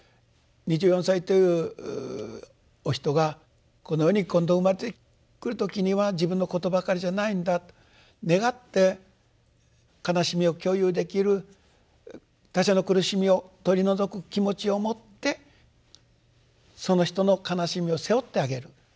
２４歳というお人がこの世に今度生まれてくる時には自分のことばかりじゃないんだと願って悲しみを共有できる他者の苦しみを取り除く気持ちを持ってその人の悲しみを背負ってあげる。